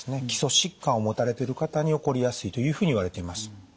基礎疾患を持たれてる方に起こりやすいというふうにいわれています。